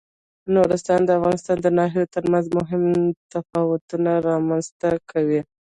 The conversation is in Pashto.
نورستان د افغانستان د ناحیو ترمنځ مهم تفاوتونه رامنځ ته کوي.